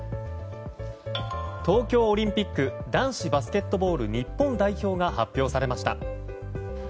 東京オリンピック男子バスケットボール日本代表が発表されました。